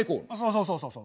そうそうそうそう。